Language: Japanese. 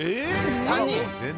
３人。